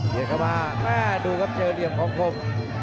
เข้ามาแม่ดูครับเจอเหลี่ยมของคม